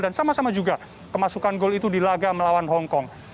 dan sama sama juga kemasukan gol itu dilaga melawan hongkong